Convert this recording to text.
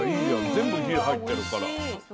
全部火入ってるから。